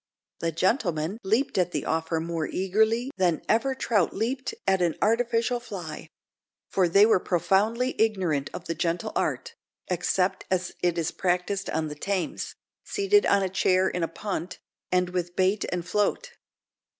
"The gentlemen" leaped at the offer more eagerly than ever trout leaped at an artificial fly; for they were profoundly ignorant of the gentle art, except as it is practised on the Thames, seated on a chair in a punt, and with bait and float.